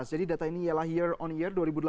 jadi data ini ialah year on year dua ribu delapan belas